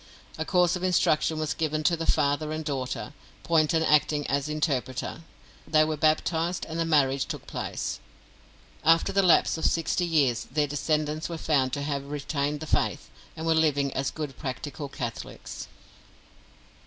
A course of instruction was given to the father and daughter, Poynton acting as interpreter; they were baptised, and the marriage took place. After the lapse of sixty years their descendents were found to have retained the faith, and were living as good practical Catholics.